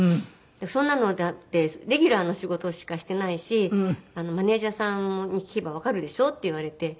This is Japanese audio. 「そんなのだってレギュラーの仕事しかしていないしマネジャーさんに聞けばわかるでしょ」って言われて。